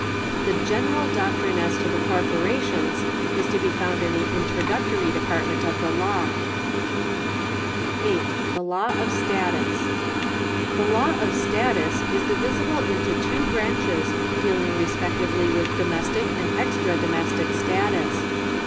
The general doctrine as to corporations is to be found in the introductory department of the law. 8. The Law of Status. The law of status is divisible into two branches dealing respectively with domestic and extra domestic status.